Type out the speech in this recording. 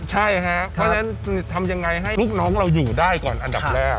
ใช่ครับเพราะฉะนั้นทำยังไงให้ลูกน้องเราอยู่ได้ก่อนอันดับแรก